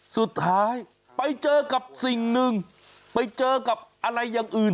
สุดท้ายไปเจอกับสิ่งหนึ่งไปเจอกับอะไรอย่างอื่น